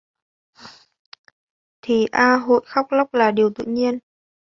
Thì a hội khóc lóc là điều tự nhiên